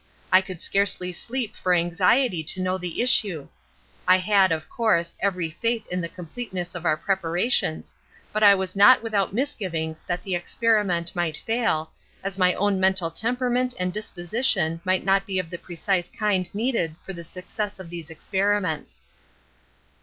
I could scarcely sleep for anxiety to know the issue. I had, of course, every faith in the completeness of our preparations, but was not without misgivings that the experiment might fail, as my own mental temperament and disposition might not be of the precise kind needed for the success of these experiments.